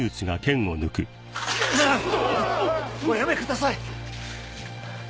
おやめください